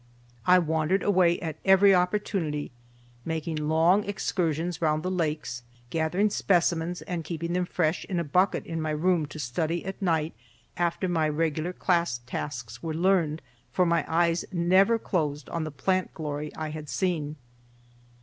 I wandered away at every opportunity, making long excursions round the lakes, gathering specimens and keeping them fresh in a bucket in my room to study at night after my regular class tasks were learned; for my eyes never closed on the plant glory I had seen.